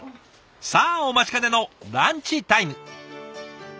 さあお待ちかねのランチタイム。